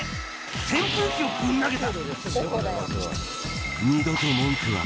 扇風機をぶん投げた。